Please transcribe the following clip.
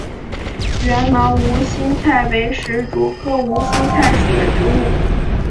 缘毛无心菜为石竹科无心菜属的植物。